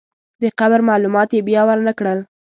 د قبر معلومات یې بیا ورنکړل.